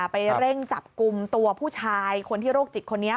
ไปเร่งจับกลุ่มตัวผู้ชายคนที่โรคจิตคนนี้